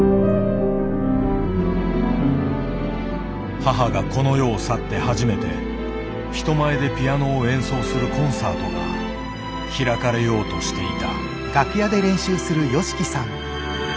母がこの世を去って初めて人前でピアノを演奏するコンサートが開かれようとしていた。